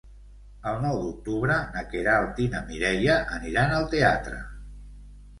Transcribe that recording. El nou d'octubre na Queralt i na Mireia aniran al teatre.